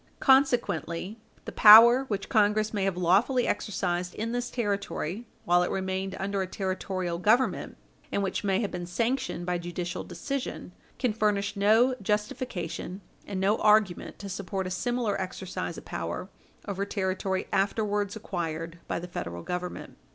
Consequently, the power which Congress may have lawfully exercised in this Territory, while it remained under a Territorial Government, and which may have been sanctioned by judicial decision, can furnish no justification and no argument to support a similar exercise of power over territory afterwards acquired by the Federal Government.